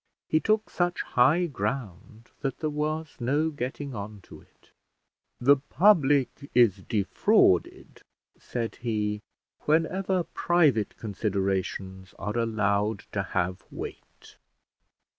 He took such high ground that there was no getting on to it. "The public is defrauded," said he, "whenever private considerations are allowed to have weight."